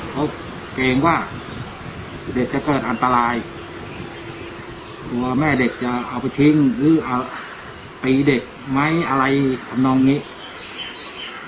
เขาเกรงว่าเด็กจะเกิดอันตรายกลัวแม่เด็กจะเอาไปทิ้งหรือเอาตีเด็กไหมอะไรทำนองนี้